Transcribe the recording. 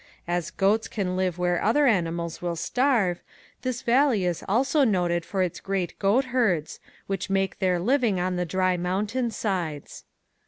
As goats can live where other animals will starve, this valley is also noted for its great goat herds which make their living on the dry mountain sides.